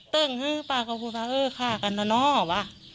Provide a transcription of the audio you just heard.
ตึ้งป้าก็พูดว่าเออฆ่ากันนะเนาะว่ะ